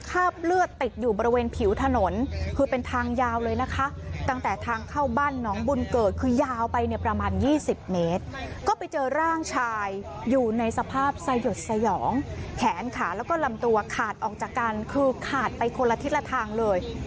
แขนขาแล้วก็ลำตัวขาดออกจากกันคือขาดไปคนละทิศละทางเลย